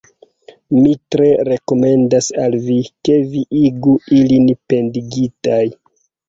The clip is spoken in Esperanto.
Mi tre rekomendas al vi, ke vi igu ilin pendigitaj.